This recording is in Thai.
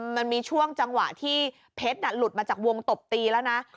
มันมีช่วงจังหวะที่เพชรหลุดมาจากวงตบตีแล้วนะ